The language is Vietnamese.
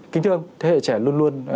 kính thưa ông thế hệ trẻ luôn luôn